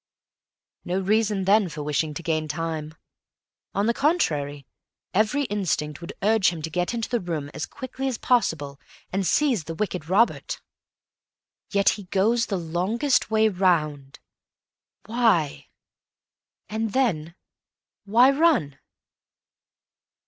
No reason, then, for wishing to gain time. On the contrary, every instinct would urge him to get into the room as quickly as possible, and seize the wicked Robert. Yet he goes the longest way round. Why? And then, why _run?